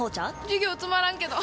授業つまらんけど！